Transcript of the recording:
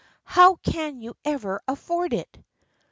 How can you ever afford it?"